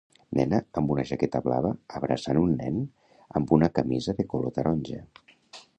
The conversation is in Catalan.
Nena amb una jaqueta blava abraçant un nen amb una camisa de color taronja